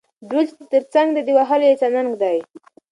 ـ ډول چې دې تر څنګ دى د وهلو يې څه ننګ دى.